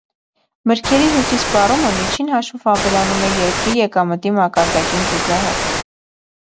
Մրգերի հյութի սպառումը միջին հաշվով ավելանում է երկրի եկամտի մակարդակին զուգահեռ։